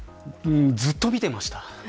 ずっと見てました。